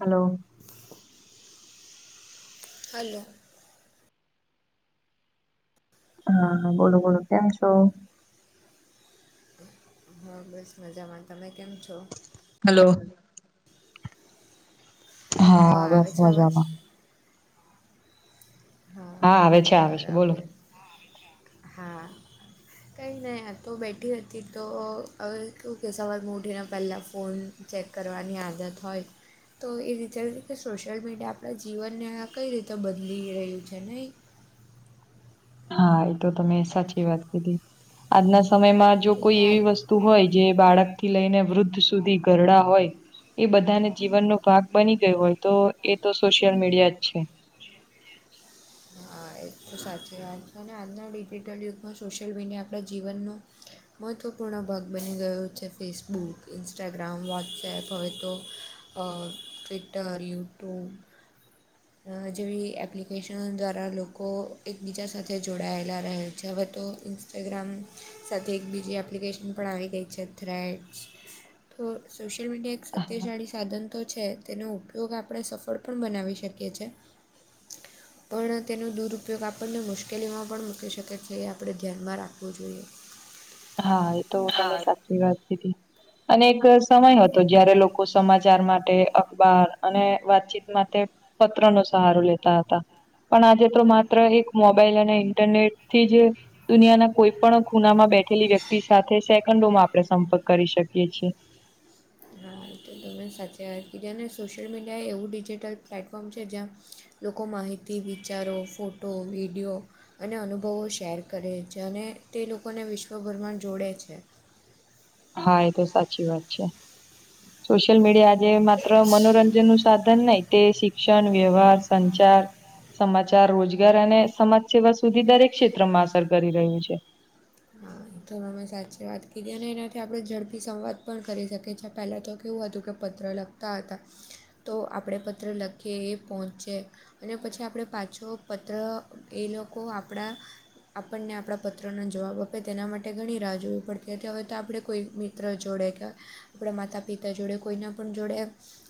Hello હાલો હા બોલો બોલો કેમ છો હા બસ મજામાં તમે કેમ છો હલો હા બસ આવે છે અવાજ મજામાં હા આવે છે આવે છે બરાબર બોલો હા કંઈ નહીં આ તો બેઠી હતી તો હવે કે સવાર ઉઠીને પહેલાં ફોન ચેક કરવાની આદત હોય તો એ રીતે કે સોશિયલ મીડિયા આપણા જીવનને કઈ રીતે બદલી રહ્યું છે નહી. હા એ તો તમે સાચી વાત કીધી આજના સમયમાં જો કે કોઈ આ એવી વસ્તુ હોય જે બાળક થી લઈને વૃદ્ધ સુધી ઘરડા હોય એ બધાને જીવનનો ભાગ બનીગઈ હોય તો એ તો સોશિયલ મીડિયા જ છે. હા એ તો સાચી વાત છે અને આજના ડિજિટલ યુગમાં સોશિયલ મીડિયા આપણા જીવનનું મહત્ત્વપૂર્ણ ભાગ બની ગયો છે ફેસબુક ઇન્સ્ટાગ્રામ વોટ્સએપ હવે તો ટ્વિટર યુટ્યુબ જેવી એપ્લિકેશનો દ્વારા લોકો એકબીજા સાથે જોડાયેલા રહે છે હવે તો ઇન્સ્ટાગ્રામ સાથે એક બીજી એપ્લિકેશન પણ આવી ગઈ છે થ્રેટસ તો સોશ્યલ મીડિયા સત્યશાળી સાધન તો છે તેનો ઉપયોગ આપણે સફળ પણ બનાવી શકીએ છે. [inaudible] [unintelligible] પણ તેનો દુરઉપયોગ આપણને મુશ્કેલીમાં પણ મૂકી શકે છે એ આપણે ધ્યાનમાં રાખવું જોઈએ. હા એ તો હા તમે સાચી વાત કીધી અને એક સમય હતો જયારે લોકો સમાચાર માટે અખબાર અને વાતચીત માટે પત્ર નો સહારો લેતા હતા પણ આજે તો માત્ર એક મોબાઈલ અને ઇન્ટરનેટથી જ દુનિયાના કોઈ પણ ખુનામાં બેઠેલી વ્યક્તિ સાથે સેકન્ડોમાં આપણે સંપર્ક કરી શકીએ છીએ હા એ તો તમે સાચી વાત કીધ અને સોશિયલ મીડિયા એવું ડિજિટલ પ્લેટફોર્મ છે જ્યાં લોકો માહિતી, વિચારો, ફોટો, વિડિયો અને અનુભવો શેર કરે છે અને તે લોકોને વિશ્વભરમાં જોડે છે. હા એ તો સાચી વાત છે. સોશિયલ મીડિયા આજે માત્ર મનોરંજન નું સાધન નહી તે શિક્ષણ, વ્યવહાર, સંચાર સમાચાર, રોજગાર અને સમાજ સેવા સુધી દરેક ક્ષેત્રમાં અસર કરી રહ્યું છે. હા તો તમે સાચી વાત કીધી અને એનાથી આપડે ઝડપી સંવાદ પણ કરી શકીએ. પેલા તો કેવું હતું કે પત્ર લખતા હતા, તો આપણે પત્ર લખીએ એ પહોંચે અને પછી આપડે પાછો પત્ર એલોકો આપણા આપણને આપણા પત્રના જવાબ આપે તેના માટે ઘણી રાહ જોવી પડતી હતી. હવે તો આપણે કોઈ મિત્ર જોડે કે આપણા માતા પિતા જોડે, કોઈના પણ જોડે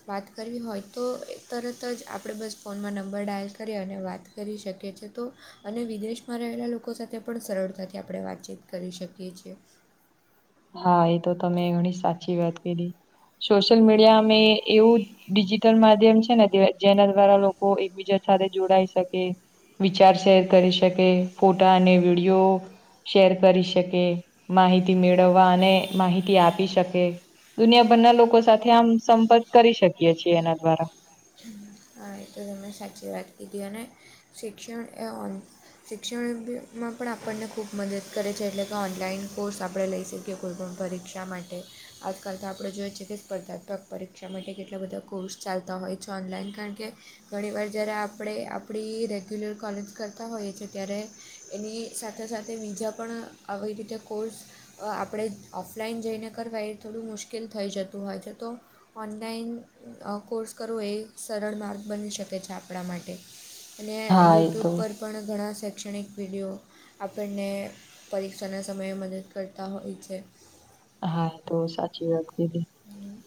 વાત કરવી હોય તો તરત જ આપણે બસ ફોનમાં નંબર ડાયલ કરી અને વાત કરી શકીએ છે તો અને વિદેશમાં રહેલા લોકો સાથે પણ સરળતાથી આપણે વાતચીત કરી શકીએ છીએ. હા એ તો તમે ઘણી સાચી વાત કીધી. સોશિયલ મીડિયા ને એવું ડિજિટલ માધ્યમ છે ને જેના દ્વારા લોકો એકબીજા સાથે જોડાઈ શકે, વિચાર શેર કરી શકે ફોટા અને વિડીયો શેર કરી શકે, માહિતી મેળ મેળવવા અને માહિતી આપી શકે દુનિયાભરના લોકો સાથે આમ સંપર્ક કરી શકીએ છીએ એના દ્વારા. હમ્મ. હા એ તો તમે સાચી વાત કીધી અને શિક્ષણ એન શિક્ષણમાં પણ આપણને ખૂબ મદદ કરે છે એટલે કે ઓનલાઈન કોર્સ આપણે લઈ શક કીએ કોઈપણ પરીક્ષા માટે. આજકાલ તો આપણે જોઈએજ છેએ કે સ્પર્ધાત્મક પરીક્ષા માટે કેટલા બધા કોર્સ ચાલતા હોય છે ઓનલાઈન કારણ કે ઘણીવાર જ્યારે આપણે આપણી રેગ્યુલર કોલેજ કરતા હોઈએ છીએ ત્યારે એની સાથે સાથે બીજા પણ આવી રીતે કોર્સ અ આપણે ઓફલાઈન જઈને કરવા એ થોડું મુશ્કેલ થઈ જતું હોય છે તો ઓનલાઈન અ કોર્સ કરવો એ સરળ માર્ગ બની શકે છે આપણા માટે અને હા એ તો. યુટ્યુબ પર પણ ઘણા શૈક્ષણિક વિડીયો આપણને પરીક્ષાના સમયે મદદ કરતા હોય છે. હા તો સાચી વાત કીધી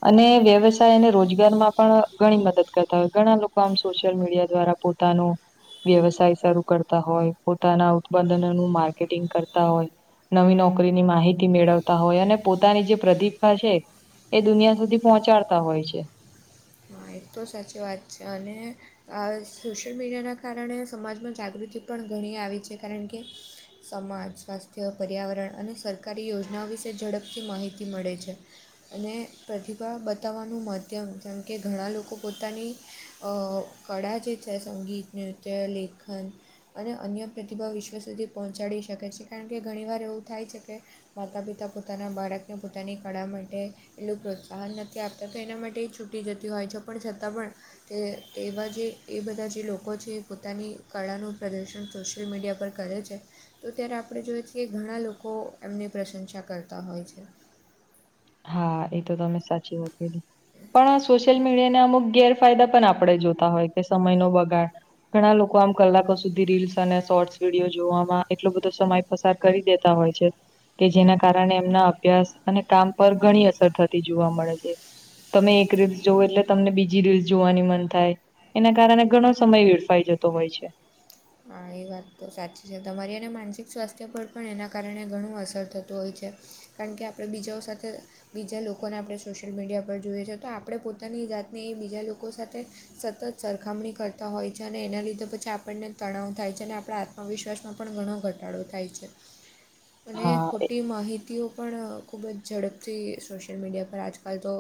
અને વ્યવસ તા એને રોજગાર માં પણ ઘણી મદદ કરતા હોય ઘણા લોકો આમ સોશિયલ મીડિયા દ્વારા પોતાનું વ્યવસાય શરૂ કરતા હોય, પોતાના ઉત્પાદનનુ માર્કેટિંગ કરતા હોય નવી નોકરીની માહિતી મેળવતા હોય અને પોતાની જે પ્રતિભા છે એ દુનિયા સુધી પહોંચાડતા હોય છે. એક તો સાચી વાત છે અને આ સોશિયલ મીડિયાના કારણે સમાજમાં જાગૃતિ પણ ઘણી આવી છે. કારણ કે સમાજ, સ્વાસ્થ્ય, પર્યાવરણ અને સરકારી યોજનાઓ વિશે ઝડપથી માહિતી મળે છે. અને પ્રતિભા બતાવવાનું માધ્યમ જેમ કે ઘણા લોકો લોકો પોતાની અ કળા જે છે સંગીત, નૃત્ય, લેખન અને અન્ય પ્રતિભા વિશ્વ સુધી પહોંચાડી શકે છે. કારણ કે ઘણીવાર એવું થાય છે કે માતા પિતા પોતાના બાળકને પોતાની કળા માટે એટલું પ્રોત્સાહન નથી આપતા તો એના માટે છૂટી જતી હોય છે પણ છતાં પણ તે એવા જે એ બધા જે લોકો છે એ પોતાની કળાનું પ્રદર્શન સોશિયલ મીડિયા પર કરે છે તો ત્યારે આપણે જોઈએ છીએ ઘણા લોકો એમની પ્રશંસા કરતા હોય છે. હા એ તો તમે સાચી વાત કીધી. પણ આ સોશિયલ મીડિયાને અમુક ગેર ફાયદા પણ આપણે જોતા હોય કે સમયનો બગાડ. ઘણા લોકો આમ કલાકો સુધી રીલ્સ અને શોર્ટસ વિડીયો જોવામાં એટલો બધો સમય પસાર કરી દેતા હોય છે કે જેના કારણે એમના અભ્યાસ અને કામ પર ઘણી અસર થતી જોવા મળે છે તમે એક રીલ્સ જોવ એટલે તમને બીજી રીલ જોવાની મન થાય એના કારણે ઘણો સમય વેરફાઈ જતો હોય છે. હા એ વાત તો સાચી છે તમારી અને માનસિક સ્વાસ્થ્ય પર પણ એના કારણે ઘણું અસર થતું હોય છે. કારણ કે આપણે બીજાઓ સાથે બીજા લોકોને આપણે સોશિયલ મીડિયા પર જોઈએ છ છે તો આપણે પોતાની જાતને એ બીજા લોકો સાથે સતત સરખામણી કરતા હોય છે અને એના લીધે પછી આપણને તણાવ થાય છે અને આપણા આત્મવિશ્વાસમાં પણ ઘણો ઘટાડો થાય છે. અને હા ખોટી માહિતીઓ પણ ખૂબ જ ઝડપથી સોશિયલ મીડિયા પર આજકાલ તો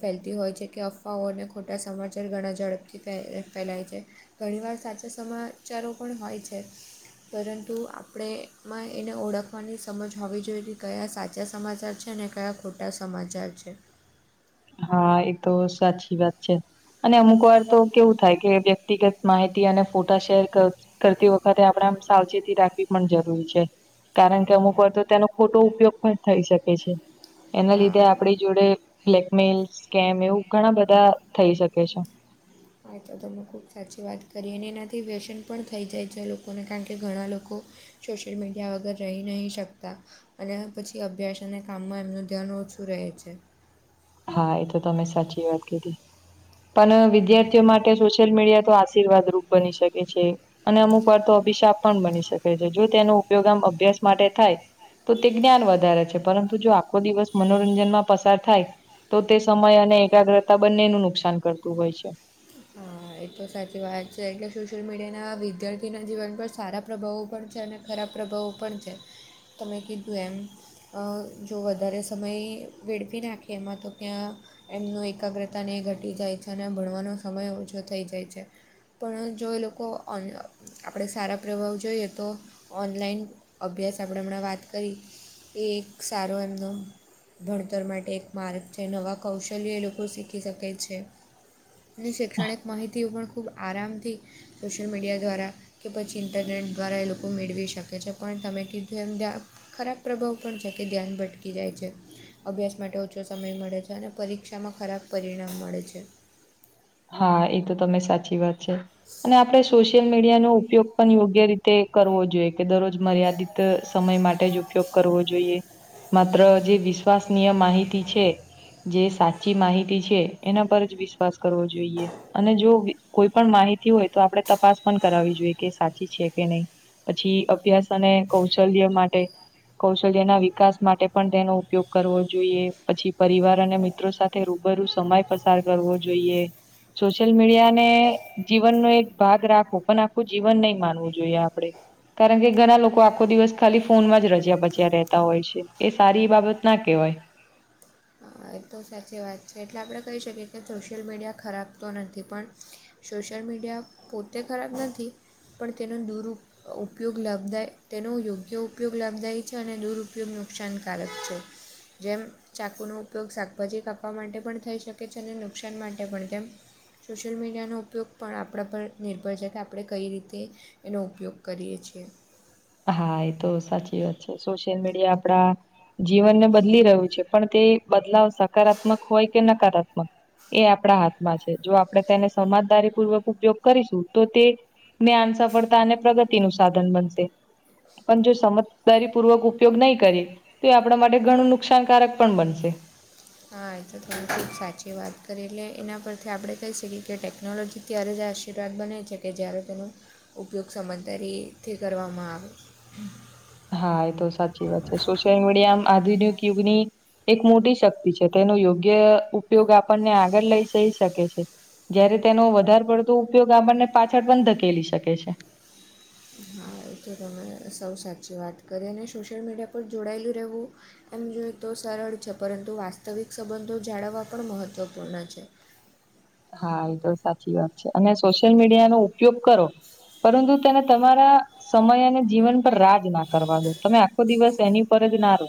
ફેલતી હોય છે કે અફવાઓને ખોટા સમાચાર ઘણા ઝડપથી ફેલાય છે. ઘણી વાર સાચા સમાચારો પણ હોય છે. પરંતુ આપણેમાં એને ઓળખવાની સમજ હોવી જોઈએલી કયા સાચા સમાચાર છે ને કયા ખોટા સમાચાર છે. હા એ તો સાચી વાત છે. અને અમુક વાર તો કેવું થાય કે વ્યક્તિગત માહિતી અને ફોટા શેર કર કરતી વખતે આપડે સાવચેતી રાખવી પણ જરૂરી છે. કારણ કે અમુક વાર તો તેનો ખોટો ઉપયોગ પણ થઈ શકે છે એના લીધે હા આપણી જોડે મેલ સ્કેમ એવું ઘણા બધા થઈ શકે છે. હા તો તમે ખુબ સાચી વાત કરી અને એનાથી વ્યસન પણ થઈ જાય છે લોકોને કારણ કે ઘણા લોકો સોશિયલ મીડિયા વગર રહી નહીં શકતા. અને પછી અભ્યાસ અને કામમાં એમનું ધ્યાન ઓછું રહે છે. હા એ તો તમે સાચી વાત કીધી. પણ વિદ્યાર્થીઓ માટે સોશિયલ મીડિયા તો આશીર્વાદ રૂપ બની શકે છે. અને અમુક વાર તો અભિશાપ પણ બની શકે છે જો તેનો ઉપયોગ આમ અભ્યાસ માટે થાય તો તે જ્ઞાન વધારે છે પરંતુ જો આખો દિવસ મનોરંજનમાં પસાર થાય તો તે સમય અને એકાગ્રતા બંને નું નુકસાન કરતું હોય છે. હા એ તો સાચી વાત છે કારણ કે સોશિયલ મીડિયાના વિદ્યાર્થીના જીવન પર સારા પ્રભાવો પણ છે અને ખરાબ પ્રભાવો પણ છે તમે કીધું એમ. જો વધારે સમય વેળવી નાખીએ એમાં તો ત્યાં એમનું એકાગ્રતા ન ઘટી જાય છે અને ભણવાનો સમય ઓછો થઈ જાય છે. પણ જો એ લોકો ઓન આપણે સારા પ્રવાહ જોઈએ તો ઓનલાઈન અભ્યાસ આપણે હમણાં વાત કરી એ એક સારો એમનો ભણતર માટે એક માર્ગ છે નવા કૌશલ્ય એ લોકો શીખી શકે છે. અને શૈક્ષણિક માહિતીઓ પણ ખૂબ આરામથી સોશિયલ મીડિયા દ્વારા કે પછી ઇન્ટરનેટ દ્વારા એ લોકો મેળવી શકે છે પણ તમે કીધું એમ ત્યા ખરાબ પ્રભાવ પણ છે કે ધ્યાન ભટકી જાય છે. અભ્યાસ માટે ઓછો સમય મળે છે અને પરીક્ષામાં ખરાબ પરિણામ મળે છે. હા એ તો તમે સાચી વાત છે. અને આપણે સોશિયલ મીડિયાનો ઉપયોગ પણ યોગ્ય રીતે કરવો જોઈએ કે દરરોજ મર્યાદિત ત સમય માટે જ ઉપયોગ કરવો જોઈએ. માત્ર જે વિશ્વાસનીય માહિતી છે. જે સાચી માહિતી છે એના પર જ વિશ્વાસ કરવો જોઈએ. અને જો કોઈ પણ માહિતી હોય તો આપણે તપાસ પણ કરાવવી જોઈએ કે સાચી છે કે નહીં. પછી અભ્યાસ અને કૌશલ્ય માટે કૌશલ્યના વિકાસ માટે પણ તેનો ઉપયોગ કરવો જોઈએ પછી પરિવાર અને મિત્રો સાથે રૂબરૂ સમય પસાર કરવો જોઈએ. સોશિયલ મીડિયા ને જીવનનો એક ભાગ રાખવો પણ આખું જીવન નહીં માનવું જોઈએ આપડે. કારણ કે ઘણા લોકો આખો દિવસ ખાલી ફોનમાં જ રજ્યા બજ્યા રહેતા હોય છે એ સારી એ બાબત ના કહેવાય. હા એ તો સાચી વાત છે, એટલે આપણે કહી શકીએ કે સોશિયલ મીડિયા ખરાબ તો નથી, પણ સોશિયલ મીડિયા પોતે ખરાબ નથી, પણ તેનો દુરુઉ ઉપયોગ લાભદાય, તેનો યોગ્ય ઉપયોગ લાભદાયી છે, અને દુરુપયોગ નુકસાનકારક છે. જેમ ચાકુનું ઉપયોગ શાકભાજી કાપવા માટે પણ થઈ શકે છે, અને નુકસાન માટે પણ, તેમ સોશિયલ મીડિયાનો ઉપયોગ પણ આપણા પર નિર્ભર છે, કે આપણે કઈ રીતે એનો ઉપયોગ કરીએ છીએ. હા એ તો સાચી વાત છે, સોશિયલ મીડિયા આપણા જીવનને બદલી રહ્યું છે, પણ તે બદલાવ સકારાત્મક હોય કે નકારાત્મક. એ આપણા હાથમાં છે, જો આપણે તેને સમાજદારી પૂર્વક ઉપયોગ કરીશું તો તે જ્ઞાન, સફળતા અને પ્રગતિ નું સાધન બનશે. પણ જો સમજદારી પૂર્વક ઉપયોગ નઈ કરી, તો એ આપણા માટે ઘણું નુકસાનકારક પણ બનશે. હા એ તો થોડી સાચી વાત કરી, એટલે એના પરથી આપણે કહી શકીએ કે ટેકનોલોજી ત્યારે જ આશીર્વાદ બને છે, કે જ્યારે તેનો ઉપયોગ સમદારીથી કરવામાં આવે. હા એ તો સાચી વાત છે, સોશિયલ મીડિયા આધુનિક યુગની એક મોટી શક્તિ છે, તે એનો યોગ્ય ઉપયોગ આપનને આગળ લઈ જઈ શકે છે. જયારે તેનો વધારે પડતો ઉપયોગ આપણને પાછળ પણ ધકેલી શકે છે. હા તો તમે સૌ સાચી વાત કરી, અને સોશિયલ મીડિયા પર જોડાયેલું રહેવું એમ જોઈએ તો સરળ છે, પરંતુ વાસ્તવિક સંબંધો જાળવવા પણ મહત્વપૂર્ણ છે. હા! એ તો સાચી વાત છે, અને સોશિયલ મીડિયાનો ઉપયોગ કરો, પરંતુ તેને તમારા સમય અને જીવન પર રાજ ના કરવા દો, તમે આખો દિવસ એની પર જ ના રહો.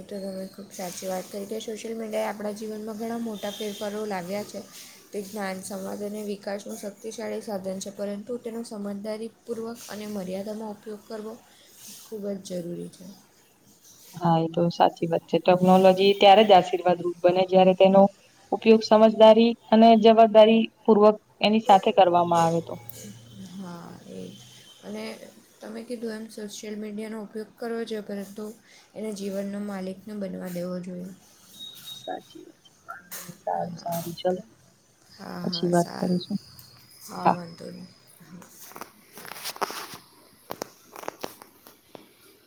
એ તો તમે ખૂબ સાચી વાત કરી, કે સોશિયલ મીડિયાએ આપણા જીવનમાં ઘણા મોટા ફેરફારો લાવ્યા છે. તે જ્ઞાન, સમાજ અને વિકાસનું શક્તિશાળી સાધન છે, પરંતુ તેનો સમજદારી પૂર્વક અને મર્યાદામાં ઉપયોગ કરવો, ખૂબ જ જરૂરી છે. હા, એ તો સાચી વાત છે, ટેકનોલોજી ત્યારેજ આશીર્વાદ રૂપ બને, જ્યારે તેનો ઉપયોગ સમજદારી અને જવાબદારી પૂર્વક એની સાથે કરવામાં આવે તો. હા એ અને તમે કીધું એમ, સોશિયલ મીડિયાનો ઉપયોગ કરવો જોઈએ, પરંતુ એને જીવનનો માલિક ન બનવા દેવો જોઈએ. સાચી વાત છે, વાંધો નહી સારું હા, સારું ચલો હા, પછી વાત સારું, કરીશું હા વાંધો નઈ. હહા